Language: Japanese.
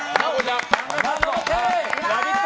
ラヴィット！